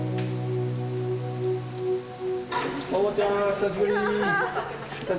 久しぶり。